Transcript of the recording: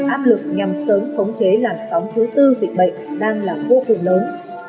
áp lực nhằm sớm khống chế làn sóng thứ tư dịch bệnh đang là vô cùng lớn